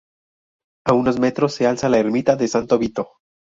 A unos metros se alza la Ermita de Santo Vito.